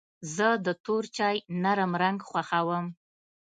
زه د تور چای نرم رنګ خوښوم.